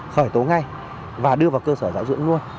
khởi tố ngay và đưa vào cơ sở giáo dưỡng luôn